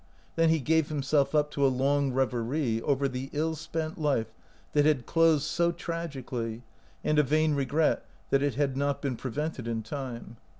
Then he gave himself up to a long reverie over the ill spent life that had closed so tragically, and a vain regret that it had not been pre vented in time.